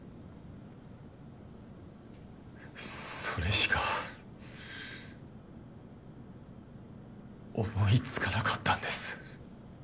それしか思いつかなかったんです。